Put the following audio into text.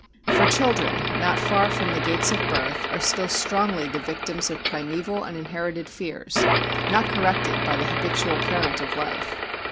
For children, not far from the gates of birth, are still strongly the victims of primeval and inherited fears, not corrected by the habitual current of life.